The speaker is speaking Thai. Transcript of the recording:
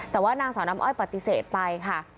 แต่ว่านางสาวน้ำอ้อยปฏิเสธไปค่ะ